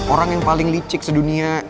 orang yang paling licik sedunia